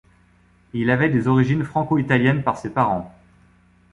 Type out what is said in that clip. Il avait des origines franco-italiennes par ses parents.